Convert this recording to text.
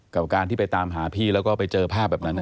กับการที่ไปตามหาพี่แล้วก็ไปเจอภาพแบบนั้น